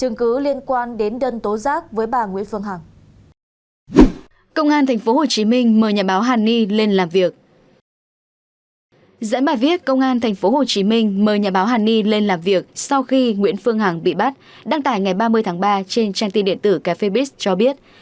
giãn bài viết công an tp hcm mời nhà báo hà ni lên làm việc sau khi nguyễn phương hằng bị bắt đăng tải ngày ba mươi tháng ba trên trang tin điện tử cafebiz cho biết